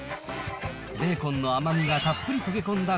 ベーコンの甘みがたっぷり溶け込んだ